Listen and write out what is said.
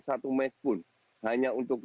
satu mes pun hanya untuk